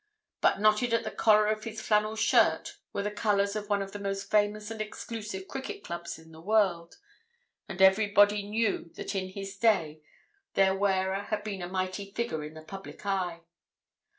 But knotted at the collar of his flannel shirt were the colours of one of the most famous and exclusive cricket clubs in the world, and everybody knew that in his day their wearer had been a mighty figure in the public eye.